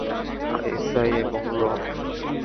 ISI এবং র।